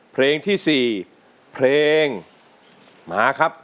เพลงที่๔เพลงมาครับ